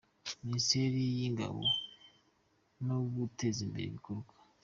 Minisiteri y’inganda no guteza imbere abikorera.